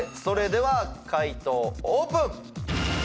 それでは解答オープン！